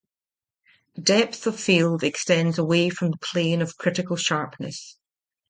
Depth of field extends away from the plane of critical sharpness.